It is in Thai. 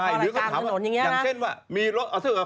อย่างเช่นว่า